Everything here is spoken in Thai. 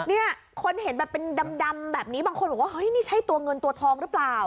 เนี่ยคนเห็นแบบเป็นดำแบบนี้บางคนบอกว่าเฮ้ยนี่ใช่ตัวเงินตัวทองหรือเปล่า